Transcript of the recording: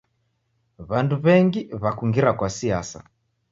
W'andu w'engi w'akungira kwa siasa.